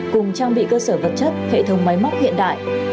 cùng trang bị cơ sở vật chất hệ thống máy móc hiện đại